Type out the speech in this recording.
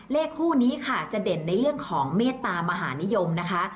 เลขคู่นี้ค่ะจะเด่นในเรื่องของเมตตามหานิยมนะคะ